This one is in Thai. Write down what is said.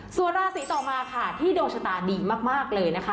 ส่วนราศีต่อมาค่ะที่ดวงชะตาดีมากเลยนะคะ